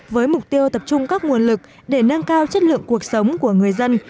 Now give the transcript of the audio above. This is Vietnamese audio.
với mục tiêu tập trung các nguồn lực để nâng cao chất lượng cuộc sống của người dân